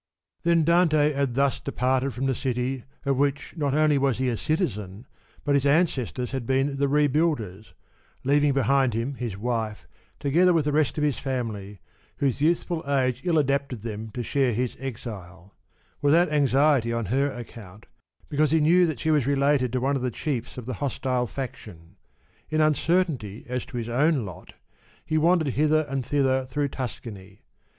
When Dante had thus departed from the city of which not only was he a citizen but his ancestors had been the rebuilders, leaving behind him his wife, together with the rest of his family, whose youthful age ill adapted them to share his exile, without anxiety on her account, because he knew that she was related to one of the chiefs of the hostile faction, in uncertainty as to his own lot he wandered hither and thither through Tuscany.